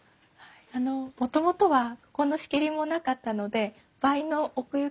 あのもともとはここの仕切りもなかったので倍の奥行きがあったんです。